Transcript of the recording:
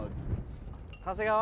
長谷川？